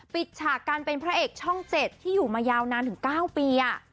ฉากการเป็นพระเอกช่อง๗ที่อยู่มายาวนานถึง๙ปี